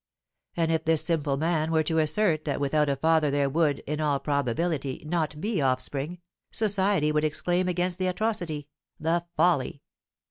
And if this simple man were to assert that without a father there would, in all probability, not be offspring, Society would exclaim against the atrocity, the folly!